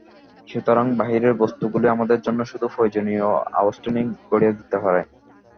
সুতরাং বাহিরের বস্তুগুলি আমাদের জন্য শুধু প্রয়োজনীয় আবেষ্টনী গড়িয়া দিতে পারে।